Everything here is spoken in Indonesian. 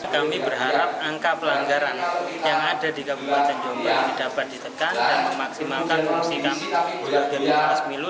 kami berharap angka pelanggaran yang ada di kabupaten jombang ini dapat ditekan dan memaksimalkan fungsi kami di organisasi milu